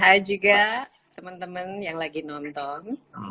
hai juga teman teman yang lagi nonton